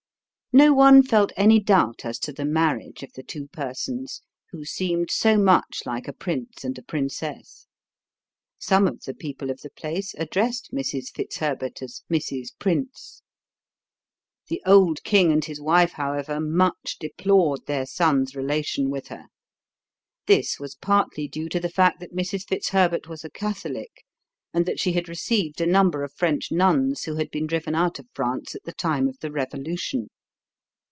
No one felt any doubt as to the marriage of the two persons, who seemed so much like a prince and a princess. Some of the people of the place addressed Mrs. Fitzherbert as "Mrs. Prince." The old king and his wife, however, much deplored their son's relation with her. This was partly due to the fact that Mrs. Fitzherbert was a Catholic and that she had received a number of French nuns who had been driven out of France at the time of the Revolution.